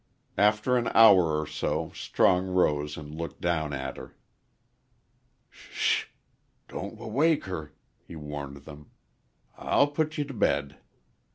After an hour or so Strong rose and looked down at her. "Sh sh! don't w wake her," he warned them. "I'll put ye t' b bed."